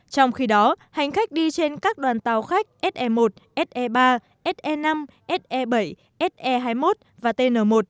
trong khi đó hành khách đi trên các đoàn tàu khách se một se ba se năm se bảy se hai mươi một và tn một